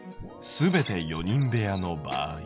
すべて４人部屋の場合。